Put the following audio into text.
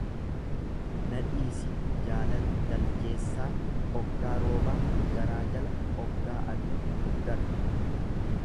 Nadhiisi jaalala daljeessaa, oggaa roobaa garaa jala oggaa aduu dugdarra.